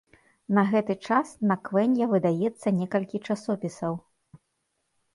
На гэты час на квэнья выдаецца некалькі часопісаў.